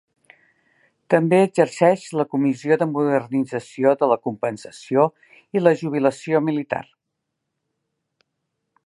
També exerceix la Comissió de modernització de la compensació i la jubilació militar.